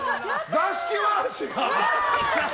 座敷わらしが！